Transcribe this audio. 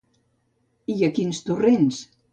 I a quins torrents?